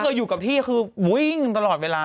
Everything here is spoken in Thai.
อยู่กับที่คือวิ่งตลอดเวลา